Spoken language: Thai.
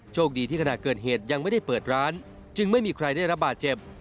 คดีที่ขณะเกิดเหตุยังไม่ได้เปิดร้านจึงไม่มีใครได้รับบาดเจ็บ